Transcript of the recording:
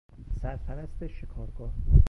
سرپرست شکارگاه